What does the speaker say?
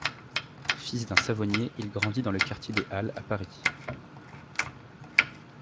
Fils d'un savonnier, il grandit dans le quartier des Halles à Paris.